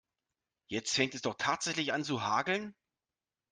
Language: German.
Jetzt fängt es doch tatsächlich an zu hageln.